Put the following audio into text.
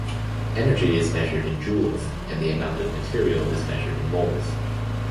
Energy is measured in joules, and the amount of material is measured in moles.